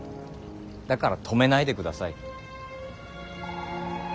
だから止めないでください。